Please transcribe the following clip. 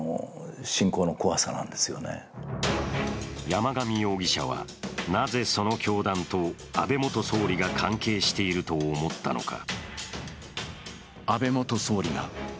山上容疑者はなぜ、その教団と安倍元総理が関係していると思ったのか。